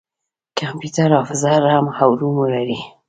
کمپیوټر حافظه رام او روم لري.